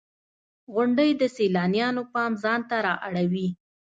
• غونډۍ د سیلانیانو پام ځان ته را اړوي.